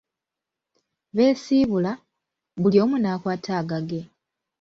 Beesiibula, buli omu n'akwata agage.